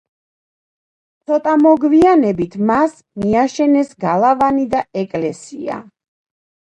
ცოტა მოგვიანებით მას მიაშენეს გალავანი და ეკლესია.